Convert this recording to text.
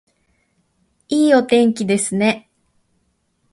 いいお天気ですね